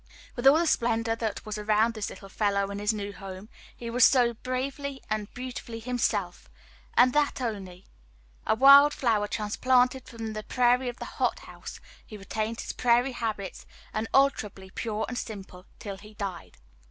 "With all the splendor that was around this little fellow in his new home, he was so bravely and beautifully himself and that only. A wild flower transplanted from the prairie to the hot house, he retained his prairie habits, unalterably pure and simple, till he died.